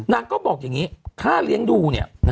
นางก็บอกอย่างนี้ค่าเลี้ยงดูเนี่ย